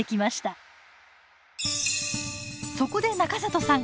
そこで中里さん